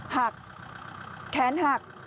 หักแขนหัก